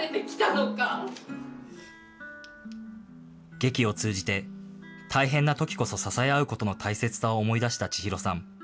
劇を通じて、大変なときこそ、支え合うことの大切さを思い出した千裕さん。